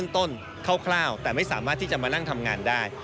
นคร่าวแต่ไม่สามารถที่จะมานั่งทำงานได้